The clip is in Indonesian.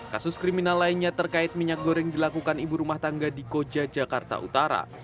kasus kriminal lainnya terkait minyak goreng dilakukan ibu rumah tangga di koja jakarta utara